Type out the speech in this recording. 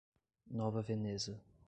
Nova Veneza